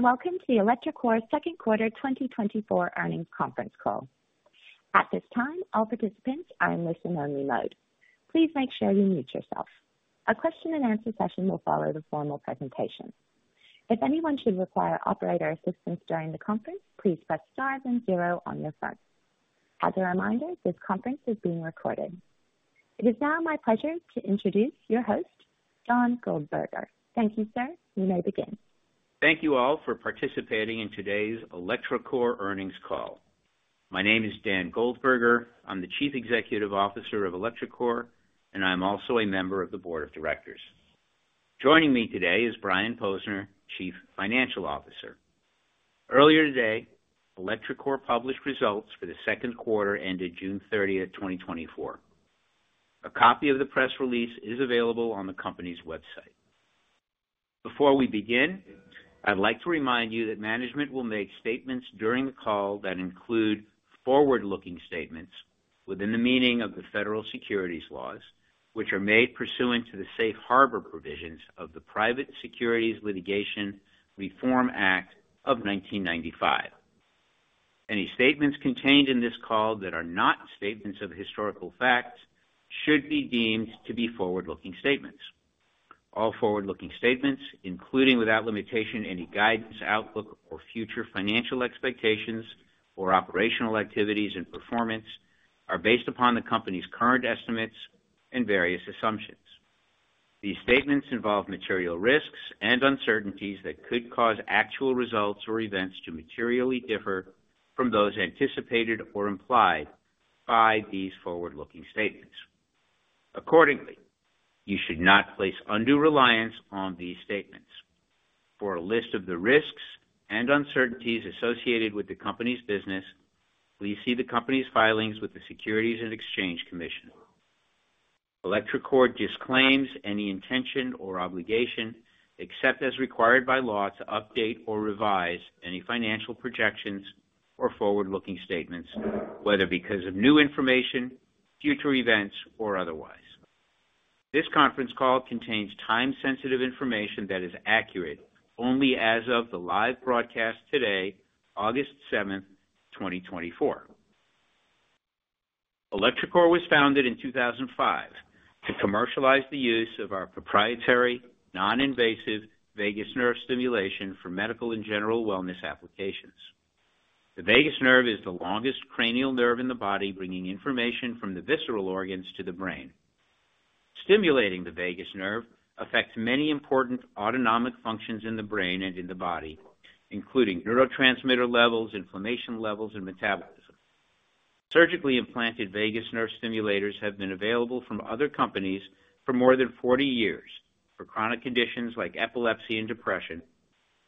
Welcome to the electroCore second quarter 2024 earnings conference call. At this time, all participants are in listen-only mode. Please make sure you mute yourself. A question-and-answer session will follow the formal presentation. If anyone should require operator assistance during the conference, please press star then zero on your phone. As a reminder, this conference is being recorded. It is now my pleasure to introduce your host, Dan Goldberger. Thank you, sir. You may begin. Thank you all for participating in today's electroCore earnings call. My name is Dan Goldberger. I'm the Chief Executive Officer of electroCore, and I'm also a member of the board of directors. Joining me today is Brian Posner, Chief Financial Officer. Earlier today, electroCore published results for the second quarter ended June 30, 2024. A copy of the press release is available on the company's website. Before we begin, I'd like to remind you that management will make statements during the call that include forward-looking statements within the meaning of the federal securities laws, which are made pursuant to the safe harbor provisions of the Private Securities Litigation Reform Act of 1995. Any statements contained in this call that are not statements of historical fact should be deemed to be forward-looking statements. All forward-looking statements, including, without limitation, any guidance, outlook, or future financial expectations or operational activities and performance, are based upon the company's current estimates and various assumptions. These statements involve material risks and uncertainties that could cause actual results or events to materially differ from those anticipated or implied by these forward-looking statements. Accordingly, you should not place undue reliance on these statements. For a list of the risks and uncertainties associated with the company's business, please see the company's filings with the Securities and Exchange Commission. electroCore disclaims any intention or obligation, except as required by law, to update or revise any financial projections or forward-looking statements, whether because of new information, future events, or otherwise. This conference call contains time-sensitive information that is accurate only as of the live broadcast today, August seventh, twenty twenty-four. electroCore was founded in 2005 to commercialize the use of our proprietary non-invasive vagus nerve stimulation for medical and general wellness applications. The vagus nerve is the longest cranial nerve in the body, bringing information from the visceral organs to the brain. Stimulating the vagus nerve affects many important autonomic functions in the brain and in the body, including neurotransmitter levels, inflammation levels, and metabolism. Surgically implanted vagus nerve stimulators have been available from other companies for more than 40 years for chronic conditions like epilepsy and depression,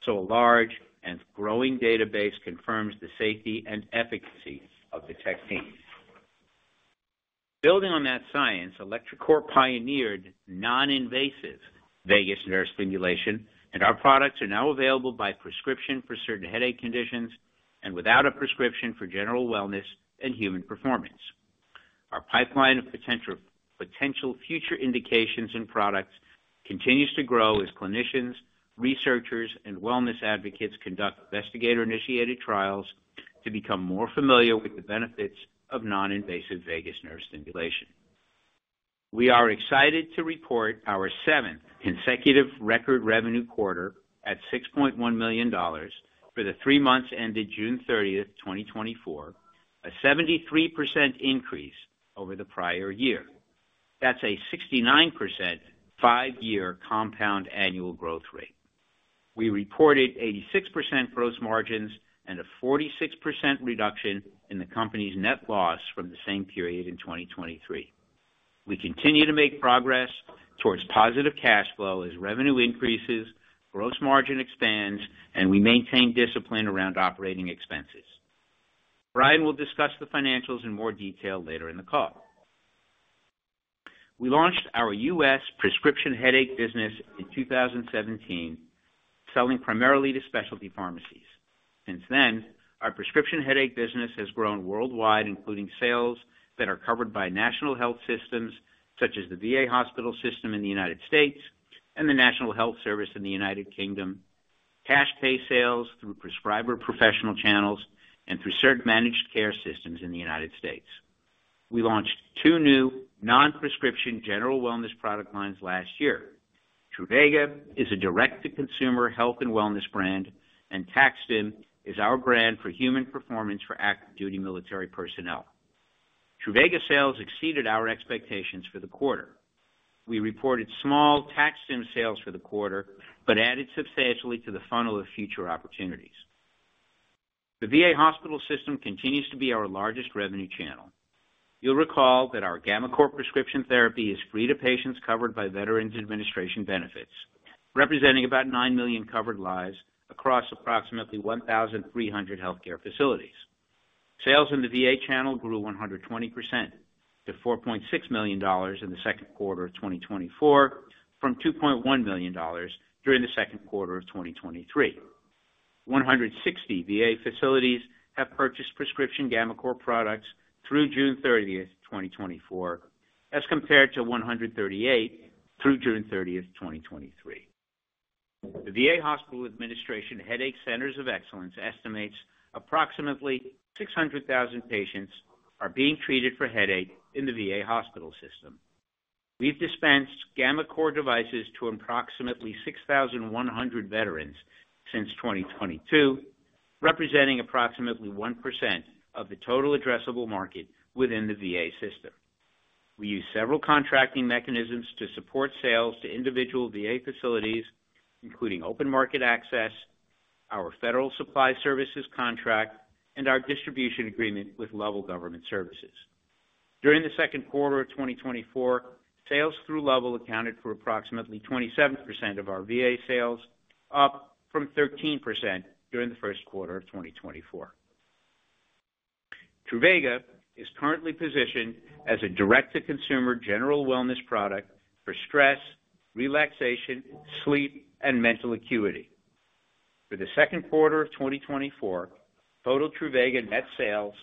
so a large and growing database confirms the safety and efficacy of the technique. Building on that science, electroCore pioneered non-invasive vagus nerve stimulation, and our products are now available by prescription for certain headache conditions, and without a prescription for general wellness and human performance. Our pipeline of potential future indications and products continues to grow as clinicians, researchers, and wellness advocates conduct investigator-initiated trials to become more familiar with the benefits of non-invasive vagus nerve stimulation. We are excited to report our seventh consecutive record revenue quarter at $6.1 million for the three months ended June 30, 2024, a 73% increase over the prior year. That's a 69% five-year compound annual growth rate. We reported 86% gross margins and a 46% reduction in the company's net loss from the same period in 2023. We continue to make progress towards positive cash flow as revenue increases, gross margin expands, and we maintain discipline around operating expenses. Brian will discuss the financials in more detail later in the call. We launched our U.S. prescription headache business in 2017, selling primarily to specialty pharmacies. Since then, our prescription headache business has grown worldwide, including sales that are covered by national health systems such as the VA hospital system in the United States and the National Health Service in the United Kingdom, cash pay sales through prescriber professional channels, and through certain managed care systems in the United States. We launched two new non-prescription general wellness product lines last year. Truvaga is a direct-to-consumer health and wellness brand, and TAC-STIM is our brand for human performance for active duty military personnel. Truvaga sales exceeded our expectations for the quarter. We reported small TAC-STIM sales for the quarter, but added substantially to the funnel of future opportunities. The VA hospital system continues to be our largest revenue channel. You'll recall that our gammaCore prescription therapy is free to patients covered by Veterans Administration benefits, representing about 9 million covered lives across approximately 1,300 healthcare facilities. Sales in the VA channel grew 120% to $4.6 million in the second quarter of 2024, from $2.1 million during the second quarter of 2023. 160 VA facilities have purchased prescription gammaCore products through June 30, 2024, as compared to 138 through June 30, 2023. The VA Hospital Administration Headache Centers of Excellence estimates approximately 600,000 patients are being treated for headache in the VA hospital system. We've dispensed gammaCore devices to approximately 6,100 veterans since 2022, representing approximately 1% of the total addressable market within the VA system. We use several contracting mechanisms to support sales to individual VA facilities, including open market access, our Federal Supply Schedule contract, and our distribution agreement with Lovell Government Services. During the second quarter of 2024, sales through Lovell accounted for approximately 27% of our VA sales, up from 13% during the first quarter of 2024. Truvaga is currently positioned as a direct-to-consumer general wellness product for stress, relaxation, sleep, and mental acuity. For the second quarter of 2024, total Truvaga net sales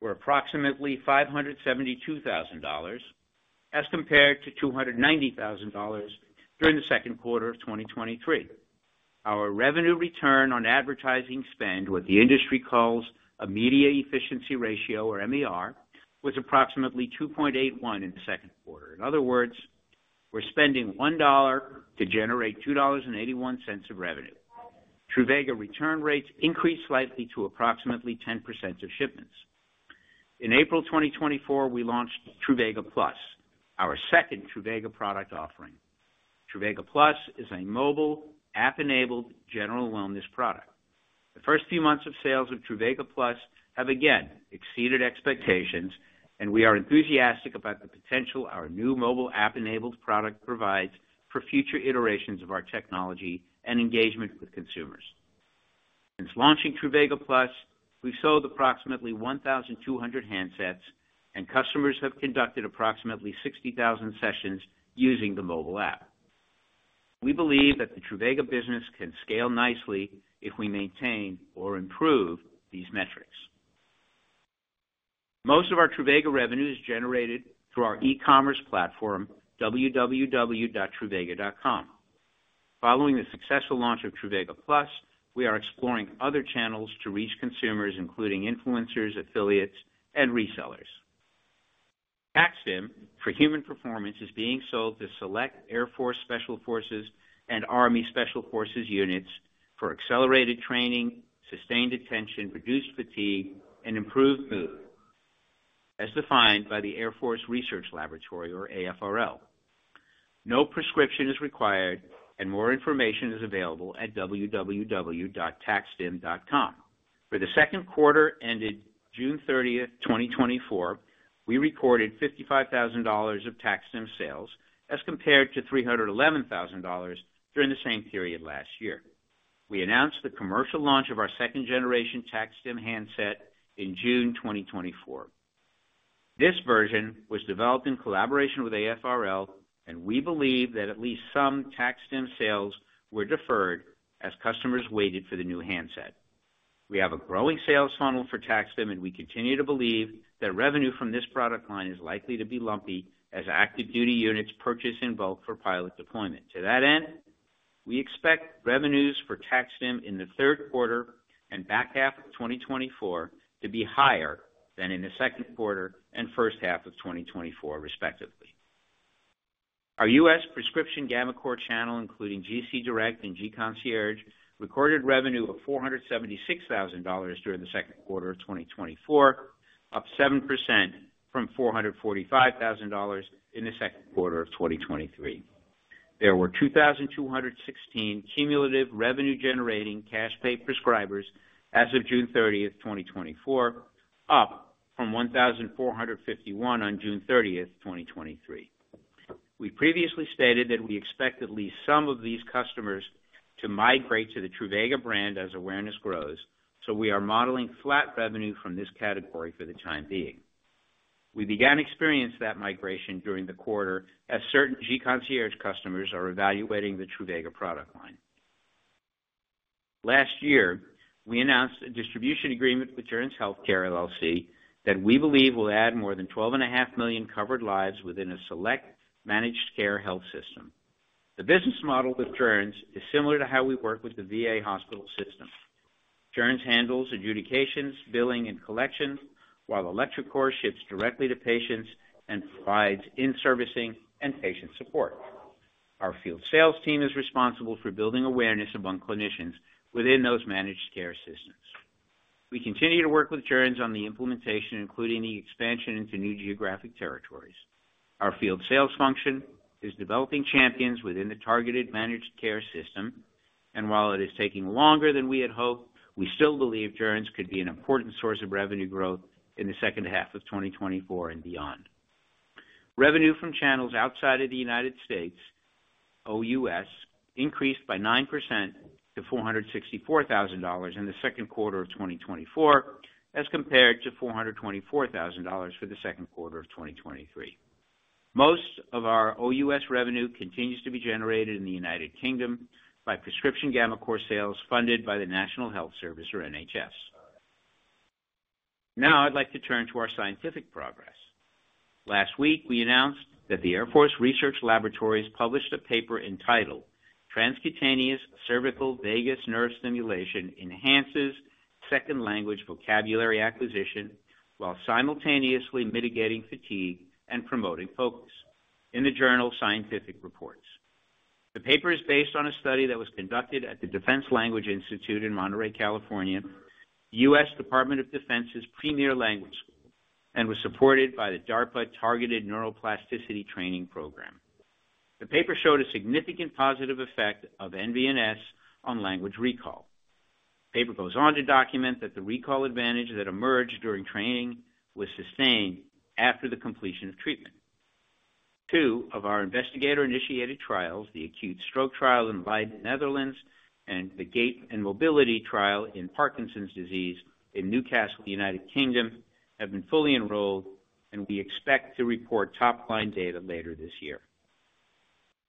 were approximately $572,000, as compared to $290,000 during the second quarter of 2023. Our revenue return on advertising spend, what the industry calls a media efficiency ratio, or MER, was approximately 2.81 in the second quarter. In other words, we're spending $1 to generate $2.81 of revenue. Truvaga return rates increased slightly to approximately 10% of shipments. In April 2024, we launched Truvaga Plus, our second Truvaga product offering. Truvaga Plus is a mobile, app-enabled general wellness product. The first few months of sales of Truvaga Plus have again exceeded expectations, and we are enthusiastic about the potential our new mobile app-enabled product provides for future iterations of our technology and engagement with consumers. Since launching Truvaga Plus, we've sold approximately 1,200 handsets, and customers have conducted approximately 60,000 sessions using the mobile app. We believe that the Truvaga business can scale nicely if we maintain or improve these metrics. Most of our Truvaga revenue is generated through our e-commerce platform, www.truvaga.com. Following the successful launch of Truvaga Plus, we are exploring other channels to reach consumers, including influencers, affiliates, and resellers. TAC-STIM for Human Performance is being sold to select Air Force Special Forces and Army Special Forces units for accelerated training, sustained attention, reduced fatigue, and improved mood, as defined by the Air Force Research Laboratory, or AFRL. No prescription is required, and more information is available at www.tacstim.com. For the second quarter ended June 30, 2024, we recorded $55,000 of TAC-STIM sales, as compared to $311,000 during the same period last year. We announced the commercial launch of our second generation TAC-STIM handset in June 2024. This version was developed in collaboration with AFRL, and we believe that at least some TAC-STIM sales were deferred as customers waited for the new handset. We have a growing sales funnel for TAC-STIM, and we continue to believe that revenue from this product line is likely to be lumpy as active duty units purchase in bulk for pilot deployment. To that end, we expect revenues for TAC-STIM in the third quarter and back half of 2024 to be higher than in the second quarter and first half of 2024, respectively. Our US prescription gammaCore channel, including gCDirect and gConcierge, recorded revenue of $476,000 during the second quarter of 2024, up 7% from $445,000 in the second quarter of 2023. There were 2,216 cumulative revenue-generating cash paid prescribers as of June 30, 2024, up from 1,451 on June 30, 2023. We previously stated that we expect at least some of these customers to migrate to the Truvaga brand as awareness grows, so we are modeling flat revenue from this category for the time being. We began to experience that migration during the quarter as certain gConcierge customers are evaluating the Truvaga product line. Last year, we announced a distribution agreement with Joerns Healthcare LLC that we believe will add more than 12.5 million covered lives within a select managed care health system. The business model with Joerns is similar to how we work with the VA hospital system. Joerns handles adjudications, billing, and collection, while electroCore ships directly to patients and provides in-servicing and patient support. Our field sales team is responsible for building awareness among clinicians within those managed care systems. We continue to work with Joerns on the implementation, including the expansion into new geographic territories. Our field sales function is developing champions within the targeted managed care system, and while it is taking longer than we had hoped, we still believe Joerns could be an important source of revenue growth in the second half of 2024 and beyond. Revenue from channels outside of the United States, OUS, increased by 9% to $464,000 in the second quarter of 2024, as compared to $424,000 for the second quarter of 2023. Most of our OUS revenue continues to be generated in the United Kingdom by prescription gammaCore sales funded by the National Health Service or NHS.... Now I'd like to turn to our scientific progress. Last week, we announced that the Air Force Research Laboratory published a paper entitled "Transcutaneous Cervical Vagus Nerve Stimulation enhances second language vocabulary acquisition, while simultaneously mitigating fatigue and promoting focus" in the journal Scientific Reports. The paper is based on a study that was conducted at the Defense Language Institute in Monterey, California, US Department of Defense's premier language school, and was supported by the DARPA Targeted Neuroplasticity Training Program. The paper showed a significant positive effect of nVNS on language recall. The paper goes on to document that the recall advantage that emerged during training was sustained after the completion of treatment. Two of our investigator-initiated trials, the acute stroke trial in Leiden, Netherlands, and the gait and mobility trial in Parkinson's disease in Newcastle, United Kingdom, have been fully enrolled, and we expect to report top-line data later this year.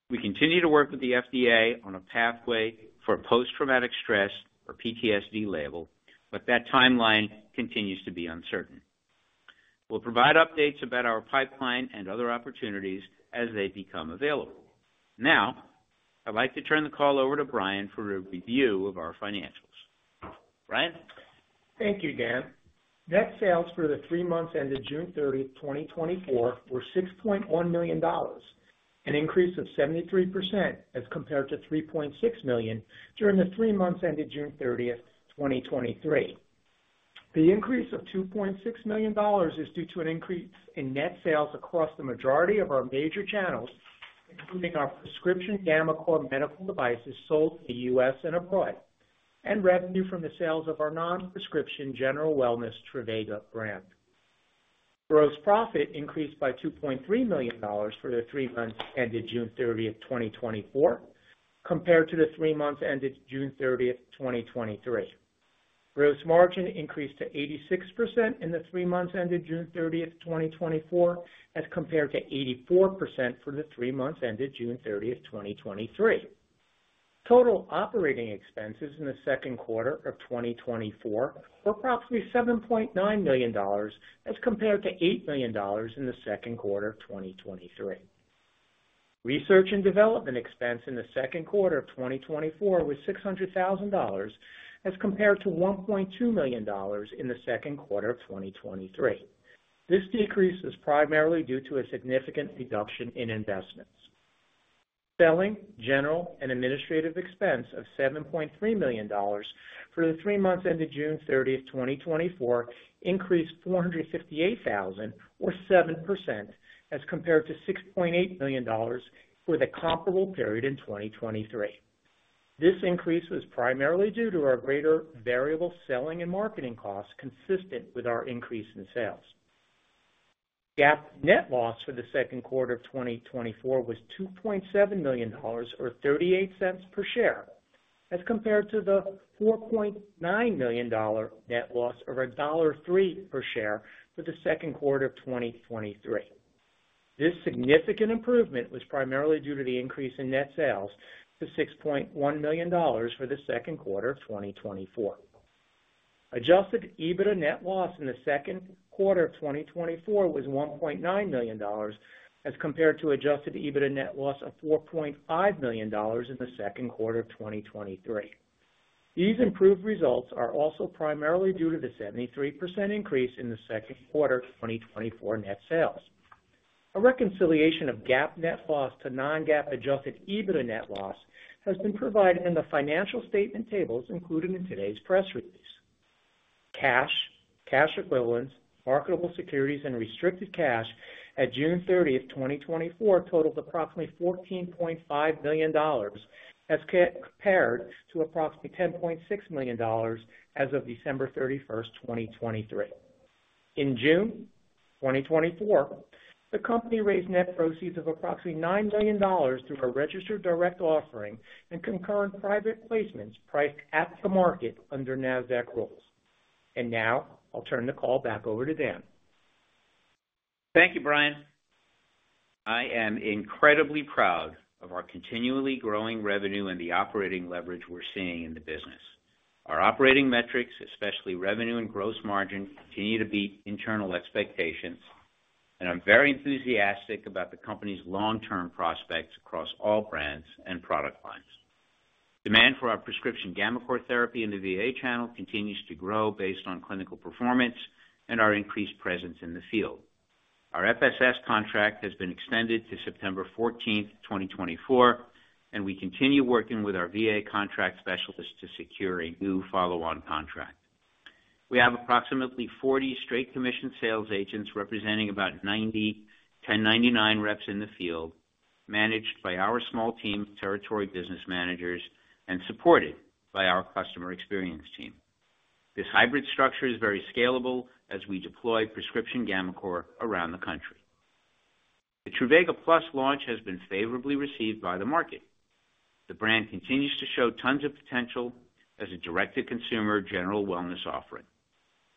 We continue to work with the FDA on a pathway for post-traumatic stress, or PTSD label, but that timeline continues to be uncertain. We'll provide updates about our pipeline and other opportunities as they become available. Now, I'd like to turn the call over to Brian for a review of our financials. Brian? Thank you, Dan. Net sales for the three months ended June 30, 2024, were $6.1 million, an increase of 73% as compared to $3.6 million during the three months ended June 30, 2023. The increase of $2.6 million is due to an increase in net sales across the majority of our major channels, including our prescription gammaCore medical devices sold in the U.S. and abroad, and revenue from the sales of our non-prescription general wellness Truvaga brand. Gross profit increased by $2.3 million for the three months ended June 30, 2024, compared to the three months ended June 30, 2023. Gross margin increased to 86% in the three months ended June 30, 2024, as compared to 84% for the three months ended June 30, 2023. Total operating expenses in the second quarter of 2024 were approximately $7.9 million, as compared to $8 million in the second quarter of 2023. Research and development expense in the second quarter of 2024 was $600,000, as compared to $1.2 million in the second quarter of 2023. This decrease is primarily due to a significant reduction in investments. Selling, general, and administrative expense of $7.3 million for the three months ended June 30th, 2024, increased 458,000 or 7%, as compared to $6.8 million for the comparable period in 2023. This increase was primarily due to our greater variable selling and marketing costs, consistent with our increase in sales. GAAP net loss for the second quarter of 2024 was $2.7 million or 38 cents per share, as compared to the $4.9 million net loss of $1.03 per share for the second quarter of 2023. This significant improvement was primarily due to the increase in net sales to $6.1 million for the second quarter of 2024. Adjusted EBITDA net loss in the second quarter of 2024 was $1.9 million, as compared to adjusted EBITDA net loss of $4.5 million in the second quarter of 2023. These improved results are also primarily due to the 73% increase in the second quarter of 2024 net sales. A reconciliation of GAAP net loss to non-GAAP Adjusted EBITDA net loss has been provided in the financial statement tables included in today's press release. Cash, cash equivalents, marketable securities, and restricted cash at June 30, 2024, totaled approximately $14.5 million, as compared to approximately $10.6 million as of December 31, 2023. In June 2024, the company raised net proceeds of approximately $9 million through a registered direct offering and concurrent private placements priced at the market under NASDAQ rules. Now I'll turn the call back over to Dan. Thank you, Brian. I am incredibly proud of our continually growing revenue and the operating leverage we're seeing in the business. Our operating metrics, especially revenue and gross margin, continue to beat internal expectations, and I'm very enthusiastic about the company's long-term prospects across all brands and product lines. Demand for our prescription gammaCore therapy in the VA channel continues to grow based on clinical performance and our increased presence in the field. Our FSS contract has been extended to September fourteenth, 2024, and we continue working with our VA contract specialists to secure a new follow-on contract. We have approximately 40 straight commission sales agents representing about 90 1099 reps in the field, managed by our small team of territory business managers and supported by our customer experience team. This hybrid structure is very scalable as we deploy prescription gammaCore around the country. The Truvaga Plus launch has been favorably received by the market. The brand continues to show tons of potential as a direct-to-consumer general wellness offering.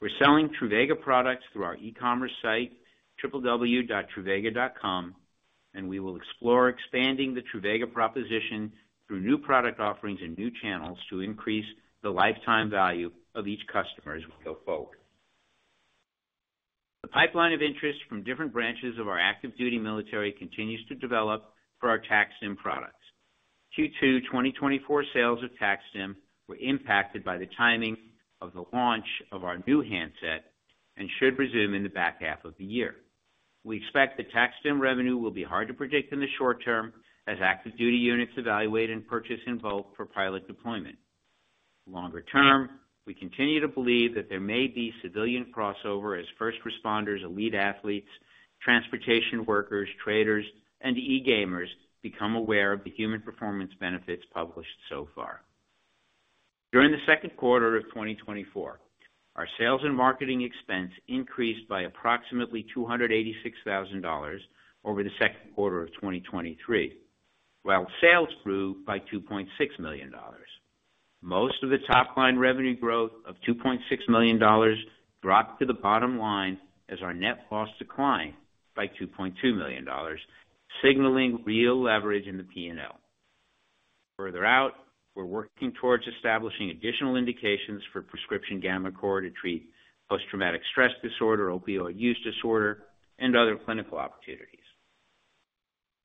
We're selling Truvaga products through our e-commerce site, www.truvaga.com, and we will explore expanding the Truvaga proposition through new product offerings and new channels to increase the lifetime value of each customer as we go forward. The pipeline of interest from different branches of our active duty military continues to develop for our TAC-STIM products. Q2 2024 sales of TAC-STIM were impacted by the timing of the launch of our new handset and should resume in the back half of the year. We expect the TAC-STIM revenue will be hard to predict in the short term, as active duty units evaluate and purchase in bulk for pilot deployment. Longer term, we continue to believe that there may be civilian crossover as first responders, elite athletes, transportation workers, traders, and e-gamers become aware of the human performance benefits published so far. During the second quarter of 2024, our sales and marketing expense increased by approximately $286,000 over the second quarter of 2023, while sales grew by $2.6 million. Most of the top line revenue growth of $2.6 million dropped to the bottom line as our net loss declined by $2.2 million, signaling real leverage in the P&L. Further out, we're working towards establishing additional indications for prescription gammaCore to treat Post-Traumatic Stress Disorder, Opioid Use Disorder, and other clinical opportunities.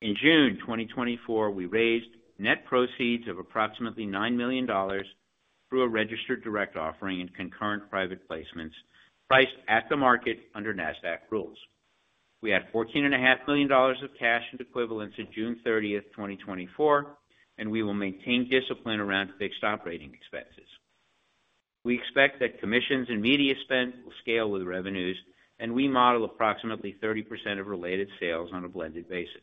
In June 2024, we raised net proceeds of approximately $9 million through a registered direct offering in concurrent private placements, priced at the market under NASDAQ rules. We had $14.5 million of cash and equivalents on June 30, 2024, and we will maintain discipline around fixed operating expenses. We expect that commissions and media spend will scale with revenues, and we model approximately 30% of related sales on a blended basis.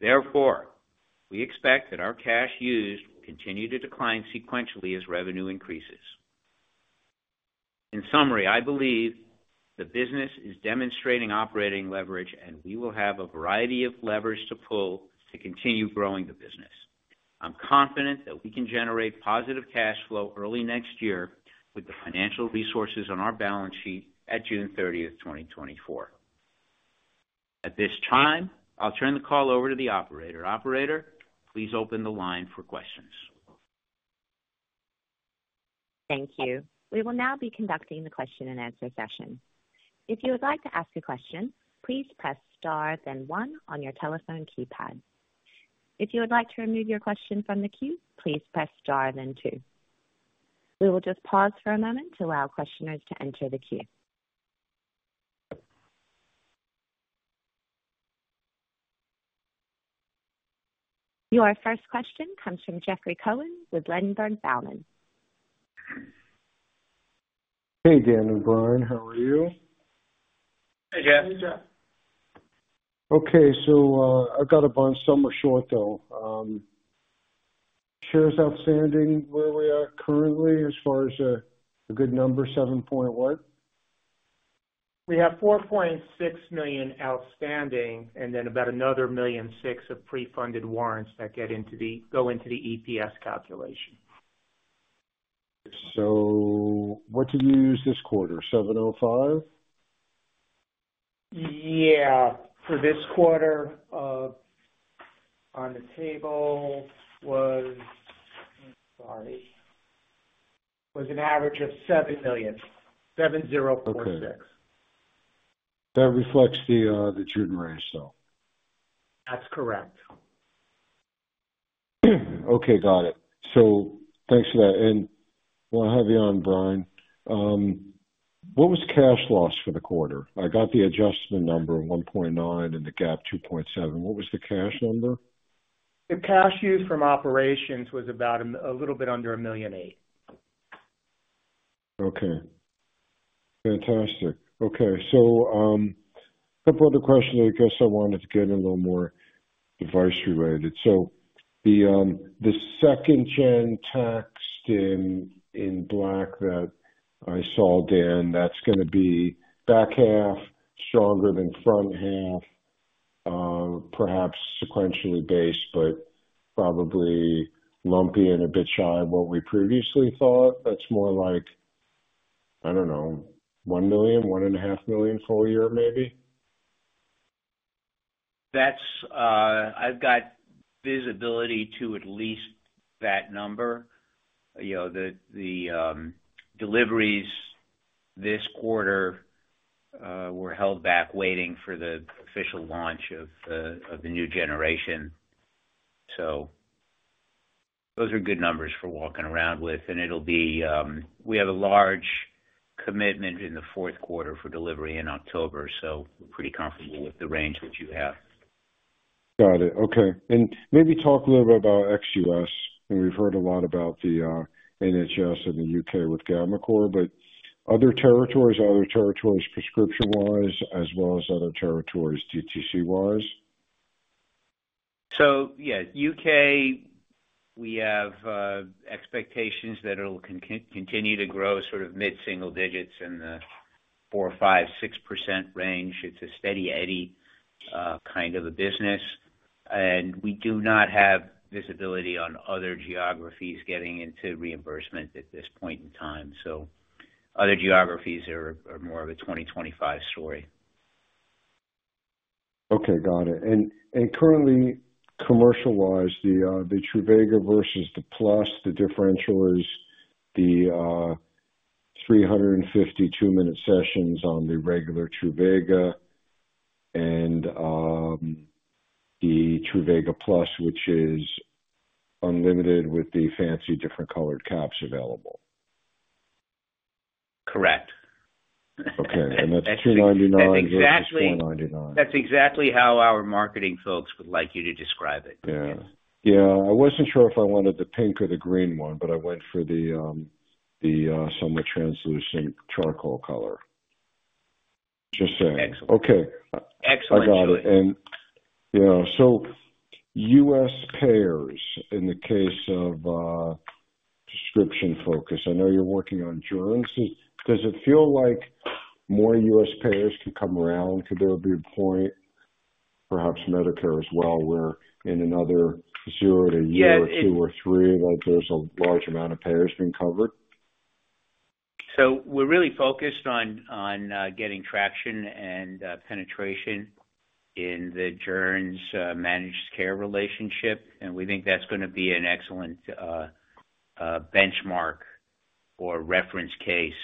Therefore, we expect that our cash used will continue to decline sequentially as revenue increases. In summary, I believe the business is demonstrating operating leverage, and we will have a variety of levers to pull to continue growing the business. I'm confident that we can generate positive cash flow early next year with the financial resources on our balance sheet at June 30, 2024. At this time, I'll turn the call over to the operator. Operator, please open the line for questions. Thank you. We will now be conducting the question-and-answer session. If you would like to ask a question, please press star then one on your telephone keypad. If you would like to remove your question from the queue, please press star then two. We will just pause for a moment to allow questioners to enter the queue. Your first question comes from Jeffrey Cohen with Ladenburg Thalmann. Hey, Dan and Brian, how are you? Hey, Jeff. Hey, Jeff. Okay, so, I've got a run somewhat short, though. Shares outstanding where we are currently as far as, a good number, 7 point what? We have 4.6 million outstanding, and then about another 1.6 million of pre-funded warrants that go into the EPS calculation. So what did you use this quarter? 705? Yeah. For this quarter, on the table was, sorry, an average of $7 million, $7,046. Okay. That reflects the, the June raise, so. That's correct. Okay, got it. So thanks for that. And while I have you on, Brian, what was cash loss for the quarter? I got the adjustment number of $1.9 and the GAAP $2.7. What was the cash number? The cash use from operations was about a little bit under $1.8 million. Okay, fantastic. Okay, so, a couple other questions, I guess I wanted to get a little more device related. So the second-gen TAC-STIM in black that I saw, Dan, that's gonna be back half, stronger than front half, perhaps sequentially based, but probably lumpy and a bit shy of what we previously thought. That's more like, I don't know, $1 million, $1.5 million full year, maybe? That's, I've got visibility to at least that number. You know, the deliveries this quarter were held back, waiting for the official launch of the new generation. So those are good numbers for walking around with. And it'll be, we have a large commitment in the fourth quarter for delivery in October, so we're pretty comfortable with the range that you have. Got it. Okay. Maybe talk a little bit about ex-US. We've heard a lot about the NHS in the UK with gammaCore, but other territories, other territories prescription-wise, as well as other territories, DTC-wise? So yeah, UK, we have expectations that it'll continue to grow sort of mid-single digits in the 4%-6% range. It's a steady Eddie kind of a business. And we do not have visibility on other geographies getting into reimbursement at this point in time. So other geographies are more of a 2025 story. Okay, got it. Currently commercialized, the Truvaga versus the Plus, the differential is the 352-minute sessions on the regular Truvaga and the Truvaga Plus, which is unlimited with the fancy different colored caps available. Correct. Okay, and that's 299- That's exactly- Four ninety-nine. That's exactly how our marketing folks would like you to describe it. Yeah. Yeah, I wasn't sure if I wanted the pink or the green one, but I went for the somewhat translucent charcoal color. Just saying. Excellent. Okay. Excellent. I got it. You know, so US payers, in the case of prescription focus, I know you're working on Joerns. Does it feel like more US payers could come around to the viewpoint, perhaps Medicare as well, where in another zero to year or 2 or 3, like there's a large amount of payers being covered? So we're really focused on getting traction and penetration in the Joerns managed care relationship, and we think that's gonna be an excellent benchmark or reference case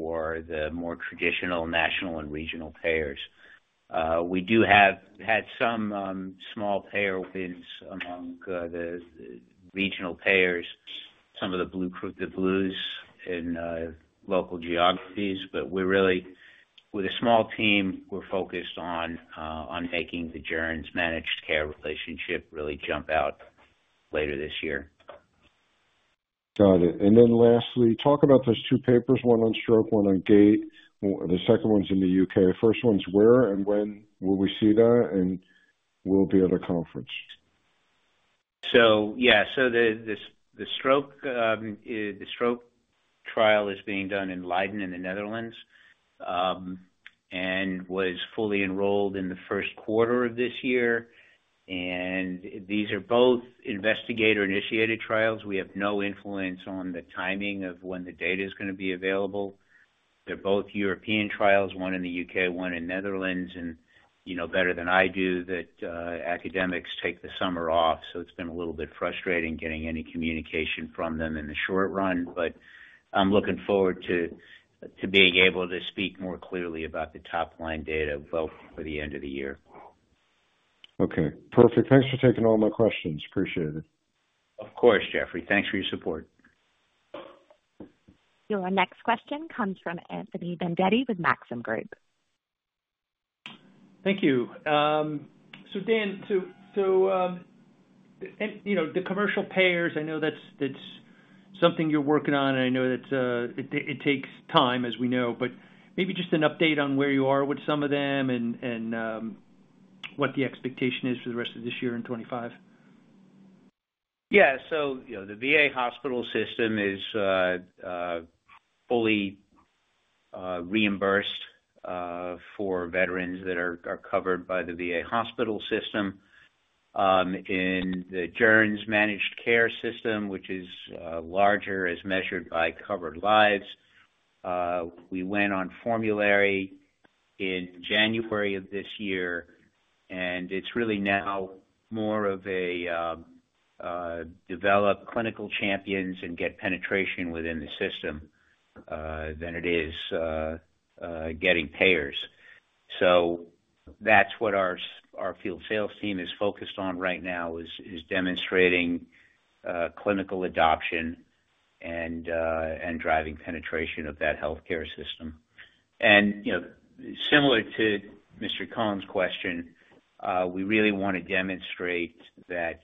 for the more traditional national and regional payers. We do have had some small payer wins among the regional payers, some of the blue, the blues in local geographies. But we're really, with a small team, we're focused on making the Joerns managed care relationship really jump out later this year. Got it. And then lastly, talk about those two papers, one on stroke, one on gait. The second one's in the U.K. The first one's where and when will we see that, and will be at a conference? So yeah. The stroke trial is being done in Leiden, in the Netherlands, and was fully enrolled in the first quarter of this year. These are both investigator-initiated trials. We have no influence on the timing of when the data is gonna be available. They're both European trials, one in the U.K., one in Netherlands, and you know better than I do that academics take the summer off, so it's been a little bit frustrating getting any communication from them in the short run. But I'm looking forward to being able to speak more clearly about the top-line data by the end of the year. Okay, perfect. Thanks for taking all my questions. Appreciate it. Of course, Jeffrey. Thanks for your support. Your next question comes from Anthony Vendetti with Maxim Group. Thank you. So Dan, and, you know, the commercial payers, I know that's something you're working on, and I know that it takes time, as we know, but maybe just an update on where you are with some of them and what the expectation is for the rest of this year in 2025. Yeah. So, you know, the VA hospital system is fully reimbursed for veterans that are covered by the VA hospital system. In the Joerns managed care system, which is larger, as measured by covered lives. We went on formulary in January of this year, and it's really now more of a develop clinical champions and get penetration within the system than it is getting payers. So that's what our field sales team is focused on right now, demonstrating clinical adoption and driving penetration of that healthcare system. And, you know, similar to Mr. Collins' question, we really want to demonstrate that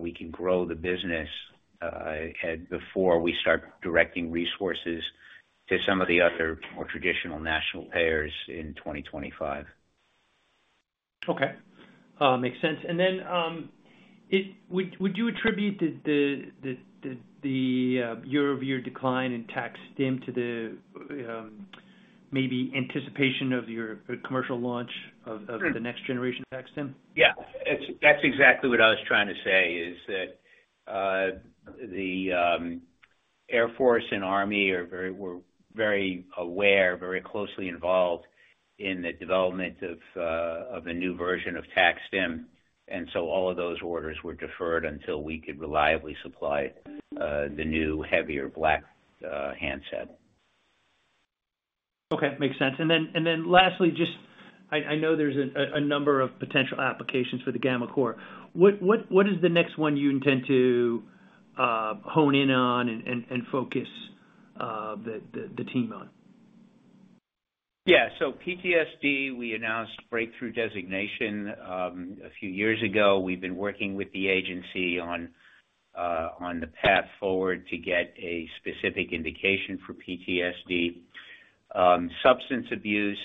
we can grow the business at... Before we start directing resources to some of the other more traditional national payers in 2025. Okay, makes sense. And then, would you attribute the year-over-year decline in TAC-STIM to the maybe anticipation of your commercial launch of the next generation of TAC-STIM? Yeah, it's That's exactly what I was trying to say, is that, the Air Force and Army are very, were very aware, very closely involved in the development of, of a new version of TAC-STIM, and so all of those orders were deferred until we could reliably supply, the new, heavier black, handset. Okay, makes sense. And then lastly, just I know there's a number of potential applications for the gammaCore. What is the next one you intend to hone in on and focus the team on? Yeah. So PTSD, we announced breakthrough designation, a few years ago. We've been working with the agency on, on the path forward to get a specific indication for PTSD. Substance abuse,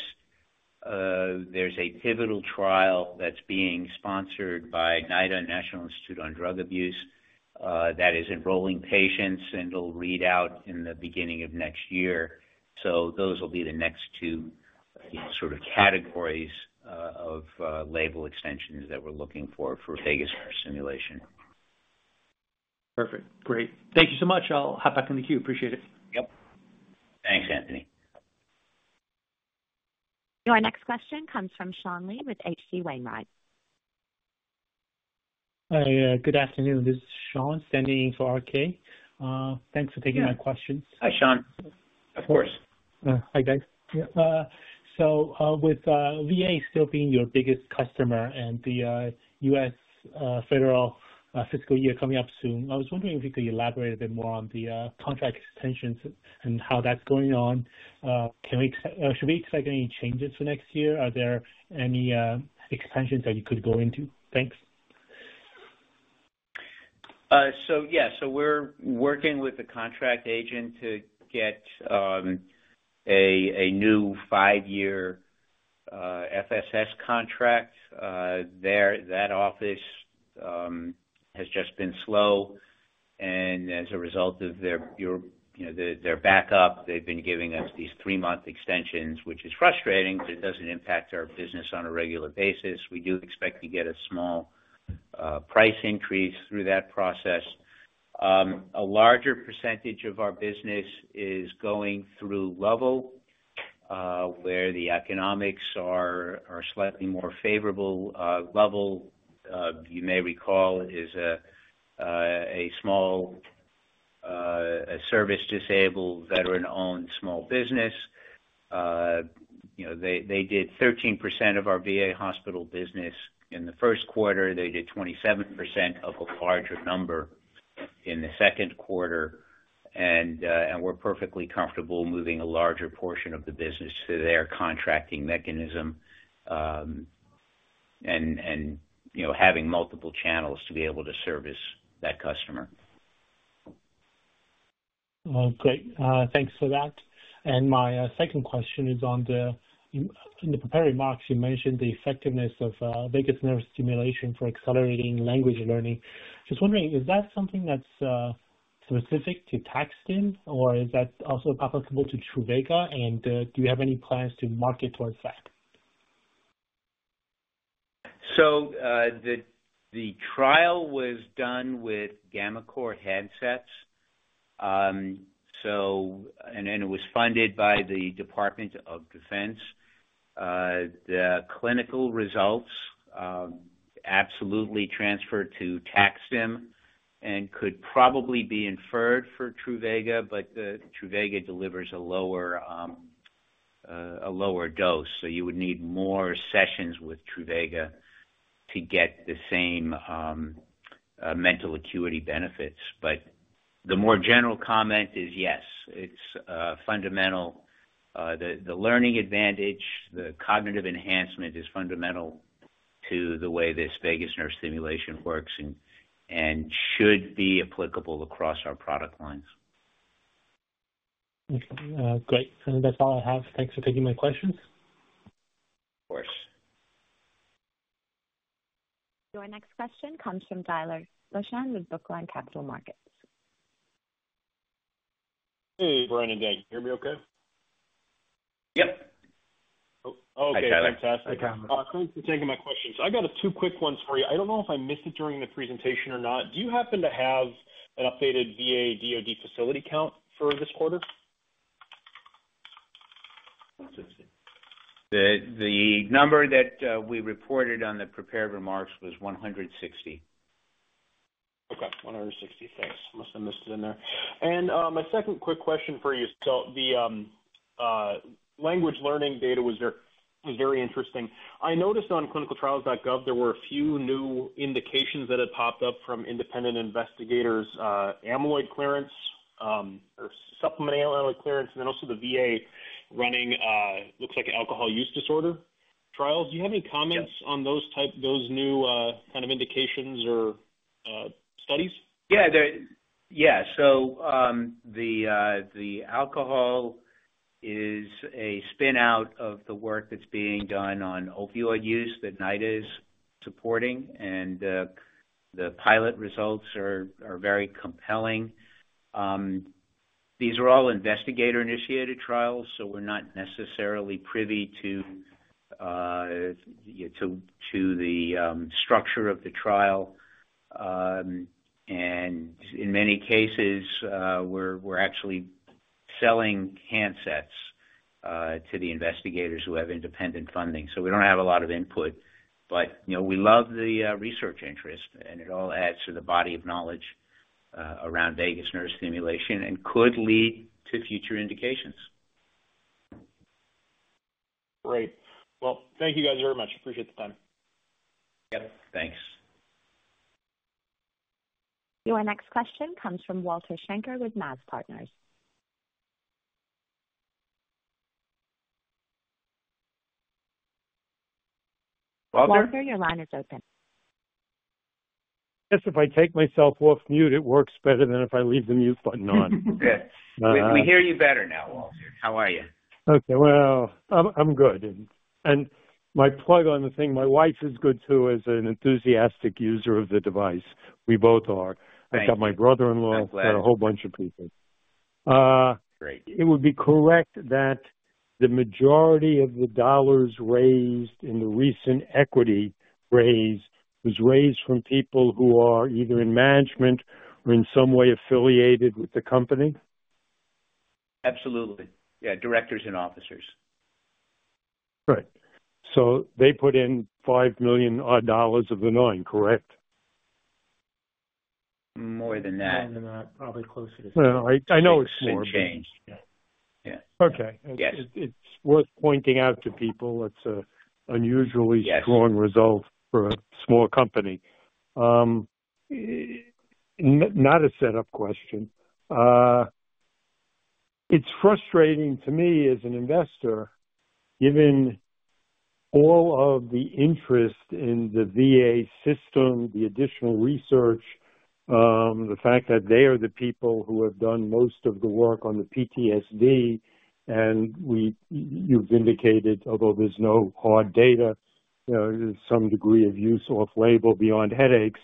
there's a pivotal trial that's being sponsored by NIDA, National Institute on Drug Abuse, that is enrolling patients, and it'll read out in the beginning of next year. So those will be the next two, sort of, categories, of, label extensions that we're looking for for vagus nerve stimulation. Perfect. Great. Thank you so much. I'll hop back in the queue. Appreciate it. Yep. Thanks, Anthony. Your next question comes from Sean Lee with H.C. Wainwright. Hi, good afternoon. This is Sean standing in for RK. Thanks for taking my questions. Hi, Sean. Of course. Hi, guys. So, with VA still being your biggest customer and the U.S. federal fiscal year coming up soon, I was wondering if you could elaborate a bit more on the contract extensions and how that's going on. Can we expect any changes for next year? Are there any extensions that you could go into? Thanks. So yeah, so we're working with the contract agent to get a new five-year FSS contract. There, that office, has just been slow, and as a result of their, your, you know, their, their backup, they've been giving us these three-month extensions, which is frustrating, but it doesn't impact our business on a regular basis. We do expect to get a small price increase through that process. A larger percentage of our business is going through Lovell, where the economics are slightly more favorable. Lovell, you may recall, is a small service-disabled veteran-owned small business. You know, they, they did 13% of our VA hospital business in the first quarter. They did 27% of a larger number in the second quarter, and we're perfectly comfortable moving a larger portion of the business to their contracting mechanism, and you know, having multiple channels to be able to service that customer. Well, great. Thanks for that. And my second question is on the... In the prepared remarks, you mentioned the effectiveness of vagus nerve stimulation for accelerating language learning. Just wondering, is that something that's specific to TAC-STIM, or is that also applicable to Truvaga? And do you have any plans to market towards that? So, the trial was done with gammaCore handsets. So, it was funded by the Department of Defense. The clinical results absolutely transferred to TAC-STIM and could probably be inferred for Truvaga, but the Truvaga delivers a lower dose, so you would need more sessions with Truvaga to get the same mental acuity benefits. But the more general comment is, yes, it's fundamental. The learning advantage, the cognitive enhancement is fundamental to the way this vagus nerve stimulation works and should be applicable across our product lines. Okay, great. That's all I have. Thanks for taking my questions. Of course. Your next question comes from Tyler Bussian with Brookline Capital Markets. Hey, Brian, again. Can you hear me okay? Yep. Oh, okay. Hi, Tyler. Fantastic. Thanks for taking my questions. I got two quick ones for you. I don't know if I missed it during the presentation or not. Do you happen to have an updated VA/DoD facility count for this quarter? The number that we reported on the prepared remarks was 160. Okay, 160. Thanks. Must have missed it in there. The language learning data was very interesting. I noticed on ClinicalTrials.gov there were a few new indications that had popped up from independent investigators, amyloid clearance, or supplemental amyloid clearance, and then also the VA running, looks like an alcohol use disorder trial. Do you have any comments? Yeah. on those type, those new, kind of, indications or, studies? Yeah, the... Yeah. So, the alcohol is a spin-out of the work that's being done on opioid use that NIDA is supporting, and the pilot results are very compelling. These are all investigator-initiated trials, so we're not necessarily privy to the structure of the trial. And in many cases, we're actually selling handsets to the investigators who have independent funding. So we don't have a lot of input, but, you know, we love the research interest, and it all adds to the body of knowledge around vagus nerve stimulation and could lead to future indications. Great. Well, thank you guys very much. Appreciate the time. Yep. Thanks. Your next question comes from Walter Schenker with MAZ Partners. Walter? Walter, your line is open. Yes, if I take myself off mute, it works better than if I leave the mute button on. Good. We hear you better now, Walter. How are you? Okay. Well, I'm good.... And my plug on the thing, my wife is good, too, as an enthusiastic user of the device. We both are. Thank you. I've got my brother-in-law- I'm glad. A whole bunch of people. Great. It would be correct that the majority of the dollars raised in the recent equity raise was raised from people who are either in management or in some way affiliated with the company? Absolutely. Yeah, directors and officers. Right. So they put in $5 million odd dollars of the $9 million, correct? More than that. More than that. Probably closer to Well, I know it's more. And change. Yeah. Okay. Yes. It's worth pointing out to people it's a unusually- Yes strong result for a small company. Not a setup question. It's frustrating to me as an investor, given all of the interest in the VA system, the additional research, the fact that they are the people who have done most of the work on the PTSD, and we've—you've indicated, although there's no hard data, there is some degree of use off-label beyond headaches,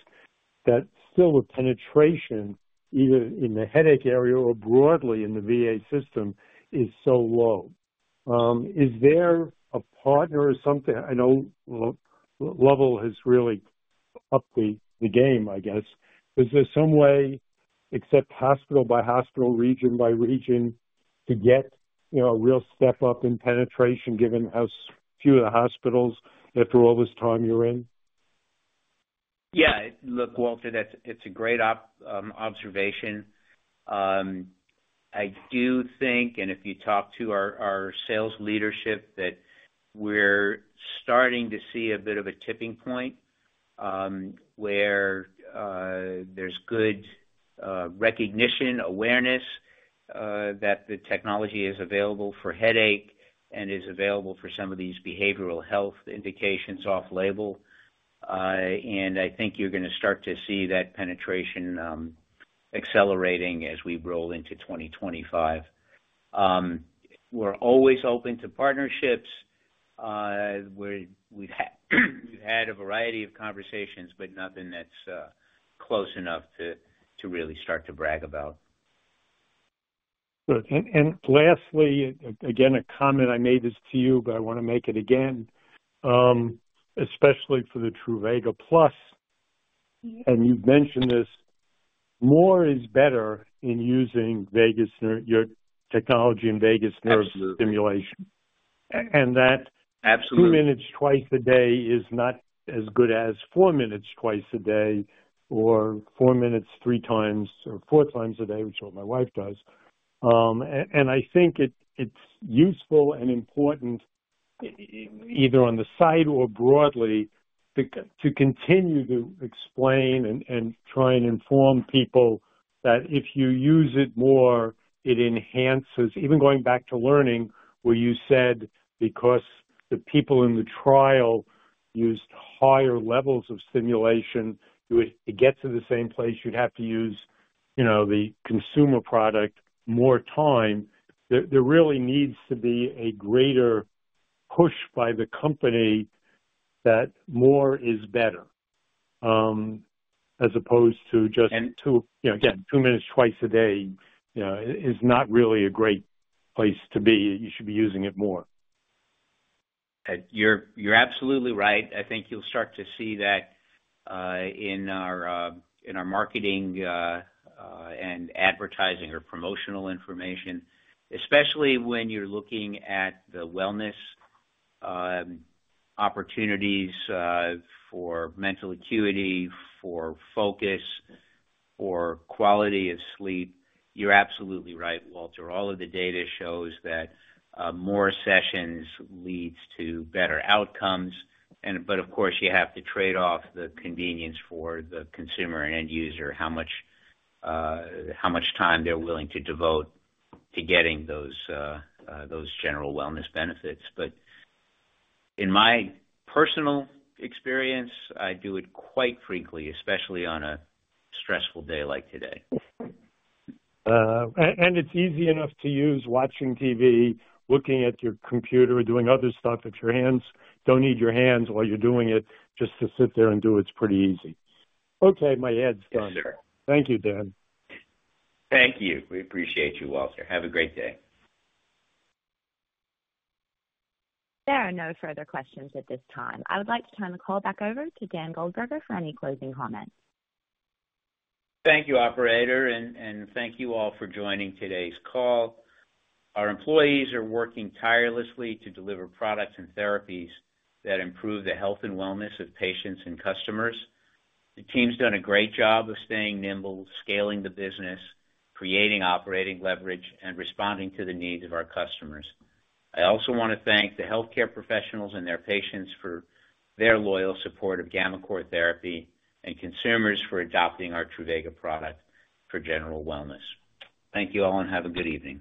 that still the penetration, either in the headache area or broadly in the VA system, is so low. Is there a partner or something? I know, Lovell has really upped the game, I guess. Is there some way, except hospital by hospital, region by region, to get, you know, a real step up in penetration, given how few of the hospitals after all this time you're in? Yeah, look, Walter, that's—it's a great observation. I do think, and if you talk to our sales leadership, that we're starting to see a bit of a tipping point, where there's good recognition, awareness, that the technology is available for headache and is available for some of these behavioral health indications off-label. And I think you're gonna start to see that penetration accelerating as we roll into 2025. We're always open to partnerships. We, we've had a variety of conversations, but nothing that's close enough to really start to brag about. Good. And lastly, again, a comment I made this to you, but I wanna make it again. Especially for the Truvaga Plus, and you've mentioned this, more is better in using vagus nerve, your technology and vagus nerve- Absolutely stimulation. A- And that- Absolutely 2 minutes twice a day is not as good as 4 minutes twice a day, or 4 minutes 3 times or 4 times a day, which is what my wife does. And I think it, it's useful and important, either on the side or broadly, to continue to explain and try and inform people that if you use it more, it enhances... Even going back to learning, where you said, because the people in the trial used higher levels of stimulation, to get to the same place, you'd have to use, you know, the consumer product more time. There really needs to be a greater push by the company that more is better, as opposed to just- And- -two, you know, again, two minutes twice a day, is not really a great place to be. You should be using it more. You're absolutely right. I think you'll start to see that in our marketing and advertising or promotional information, especially when you're looking at the wellness opportunities for mental acuity, for focus, for quality of sleep. You're absolutely right, Walter. All of the data shows that more sessions leads to better outcomes. But of course, you have to trade off the convenience for the consumer and end user, how much time they're willing to devote to getting those general wellness benefits. But in my personal experience, I do it quite frequently, especially on a stressful day like today. And it's easy enough to use watching TV, looking at your computer, or doing other stuff with your hands. Don't need your hands while you're doing it, just to sit there and do it; it's pretty easy. Okay, my head's done. Yes, sir. Thank you, Dan. Thank you. We appreciate you, Walter. Have a great day. There are no further questions at this time. I would like to turn the call back over to Dan Goldberger for any closing comments. Thank you, operator, and thank you all for joining today's call. Our employees are working tirelessly to deliver products and therapies that improve the health and wellness of patients and customers. The team's done a great job of staying nimble, scaling the business, creating operating leverage, and responding to the needs of our customers. I also want to thank the healthcare professionals and their patients for their loyal support of gammaCore therapy, and consumers for adopting our Truvaga product for general wellness. Thank you all, and have a good evening.